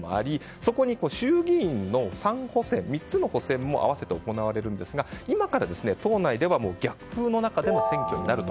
そこに衆議院の３補選も併せて行われるんですが今から党内では逆風の中での選挙になると。